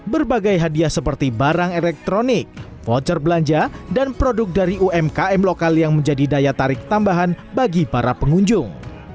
berbagai hadiah seperti barang elektronik voucher belanja dan produk dari umkm lokal yang menjadi daya tarik tambahan bagi para pengunjung